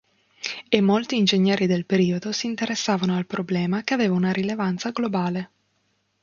E molti ingegneri del periodo si interessavano al problema che aveva una rilevanza globale.